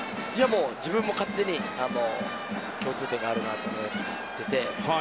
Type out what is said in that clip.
自分も勝手に共通点があるなと思ってて。